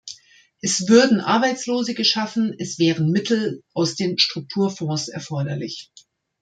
Es würden Arbeitslose geschaffen, es wären Mittel aus den Strukturfonds erforderlich.